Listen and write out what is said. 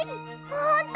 ほんと！？